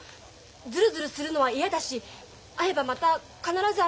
ズルズルするのは嫌だし会えばまた必ずあなたを傷つけるもの。